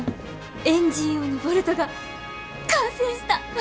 エンジン用のボルトが完成した！